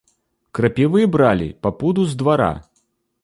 Крапівы бралі па пуду з двара.